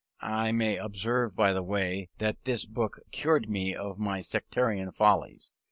I may observe by the way that this book cured me of my sectarian follies.